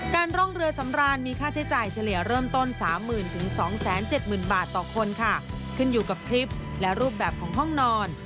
ร่องเรือสำรานมีค่าใช้จ่ายเฉลี่ยเริ่มต้น๓๐๐๐๒๗๐๐บาทต่อคนค่ะขึ้นอยู่กับคลิปและรูปแบบของห้องนอน